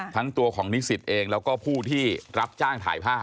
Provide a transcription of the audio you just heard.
ทั้งตัวของนิสิตเองแล้วก็ผู้ที่รับจ้างถ่ายผ้า